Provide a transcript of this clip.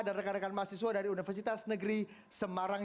dan rekan rekan mahasiswa dari universitas negeri semarang